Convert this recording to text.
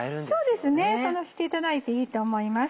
そうですねそうしていただいていいと思います。